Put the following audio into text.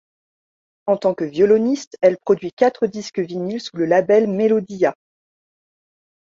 En tant que violoniste, elle produit quatre disques vinyle sous le label Melodiya.